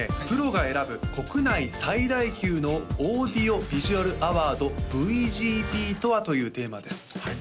「プロが選ぶ国内最大級のオーディオビジュアルアワード」「ＶＧＰとは？」というテーマです